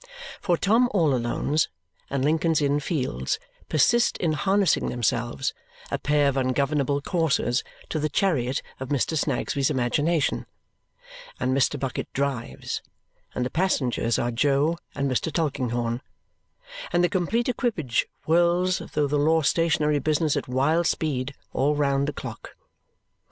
For Tom all Alone's and Lincoln's Inn Fields persist in harnessing themselves, a pair of ungovernable coursers, to the chariot of Mr. Snagsby's imagination; and Mr. Bucket drives; and the passengers are Jo and Mr. Tulkinghorn; and the complete equipage whirls though the law stationery business at wild speed all round the clock.